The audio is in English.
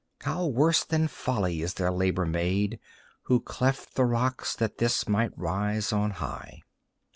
How worse than folly is their labor made Who cleft the rocks that this might rise on high!